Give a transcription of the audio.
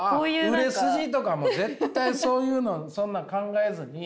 売れ筋とかもう絶対そういうのそんなん考えずに。